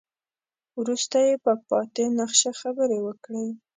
وروسته يې په پاتې نخشه خبرې وکړې.